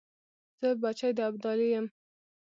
زه بچی د ابدالي یم .